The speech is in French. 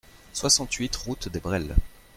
soixante-huit route des Brels